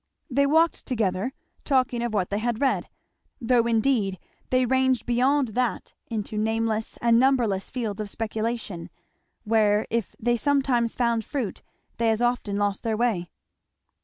They walked together, talking of what they had read, though indeed they ranged beyond that into nameless and numberless fields of speculation, where if they sometimes found fruit they as often lost their way.